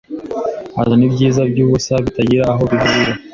Azana ibyiza byubusa bitagira aho bihurira